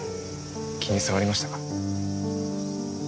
気に障りましたか。